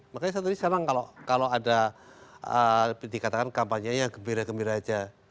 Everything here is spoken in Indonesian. makanya saya sendiri senang kalau ada dikatakan kampanye yang gembira gembira aja